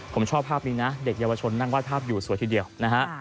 ผมชอบภาพนี้นะเด็กเยาวชนนั่งไห้ภาพอยู่สวยทีเดียวนะฮะ